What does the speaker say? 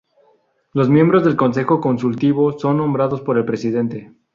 Los miembros del Consejo Consultivo son nombrados por el Presidente.